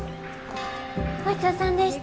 ごちそうさんでした。